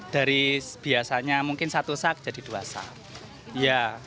dari biasanya mungkin satu sak jadi dua sak